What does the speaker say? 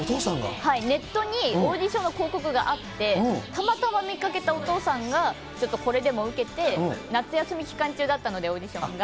はい、ネットにオーディションの広告があって、たまたま見かけたお父さんが、ちょっとこれでも受けて、夏休み期間中だったので、オーディションが。